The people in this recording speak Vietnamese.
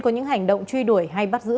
có những hành động truy đuổi hay bắt giữ